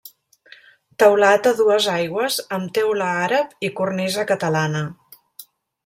Teulat a dues aigües amb teula àrab i cornisa catalana.